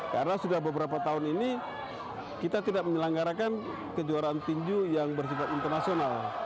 karena sudah beberapa tahun ini kita tidak menyelanggarakan kejuaraan petinju yang bersifat internasional